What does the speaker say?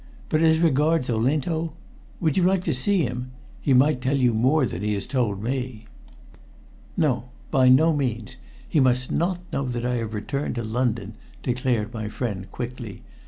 But as regards Olinto? Would you like to see him? He might tell you more than he has told me." "No; by no means. He must not know that I have returned to London," declared my friend quickly.